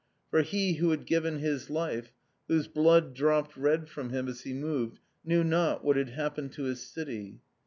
For he who had given his life, whose blood dropped red from him as he moved, knew not what had happened to his city.